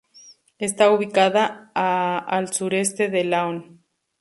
Está ubicada a al sureste de Laon.